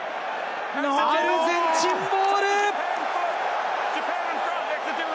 アルゼンチンボール！